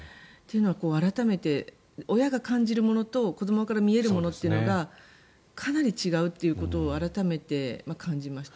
改めて、親が感じるものと子どもから見えるというものがかなり違うということを改めて感じました。